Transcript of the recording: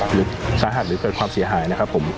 หรือสาหัสหรือเกิดความเสียหายนะครับผม